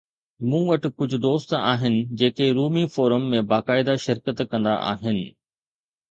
مون وٽ ڪجھ دوست آھن جيڪي رومي فورم ۾ باقاعده شرڪت ڪندا آھن.